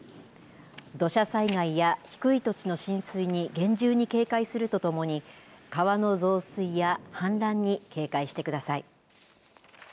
土砂災害や低い土地の浸水に厳重に警戒するとともに、川の増水や氾濫に警戒してください。